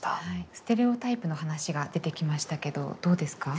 ステレオタイプの話が出てきましたけどどうですか？